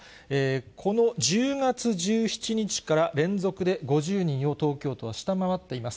この１０月１７日から連続で５０人を東京都は下回っています。